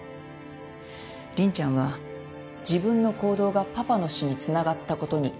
凛ちゃんは自分の行動がパパの死に繋がった事に気づいていない。